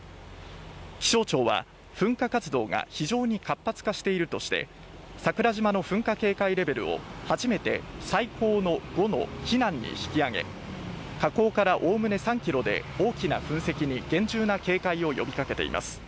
気象庁は噴火活動が非常に活発化しているとして桜島の噴火警戒レベルを初めて最高の５に引き上げ火口からおおむね３ｋｍで大きな噴石に厳重な警戒を呼びかけています。